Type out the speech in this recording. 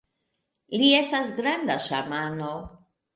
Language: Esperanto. Li estas granda ŝamano!